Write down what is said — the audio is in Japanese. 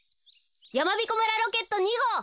やまびこ村ロケット２ごう。